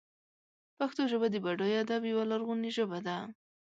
پښتو ژبه د بډای ادب یوه لرغونې ژبه ده.